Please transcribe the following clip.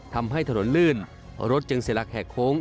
ทำให้ถนนลื่นรถจึงเสียหลักแหกโค้ง